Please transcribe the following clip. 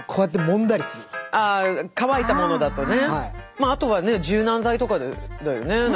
まああとはね柔軟剤とかだよね。